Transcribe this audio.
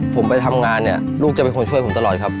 ผมไปทำงานเนี่ยลูกจะเป็นคนช่วยผมตลอดครับ